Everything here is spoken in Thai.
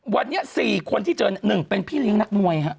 วันนี้๔คนที่เจอ๑เป็นพี่เลี้ยงนักมวยฮะ